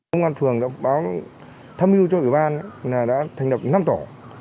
công an phường đã báo thăm yêu cho ủy ban đã thành lập năm tổ